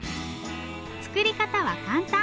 作り方は簡単。